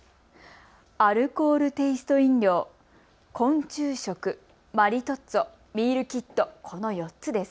アルコールテイスト飲料、昆虫食ミールキット、この４つです。